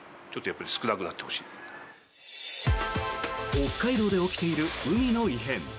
北海道で起きている海の異変。